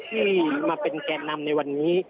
ที่มาเป็นแก่นำในวันนี้